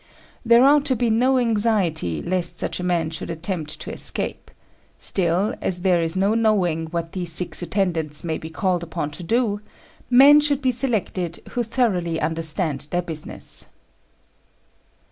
There ought to be no anxiety lest such a man should attempt to escape; still, as there is no knowing what these six attendants may be called upon to do, men should be selected who thoroughly understand their business.